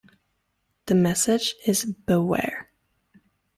The message is Beware.